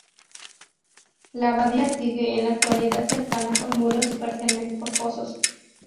La abadía sigue en la actualidad cercada por muros y parcialmente por fosos.